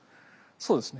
そうですね。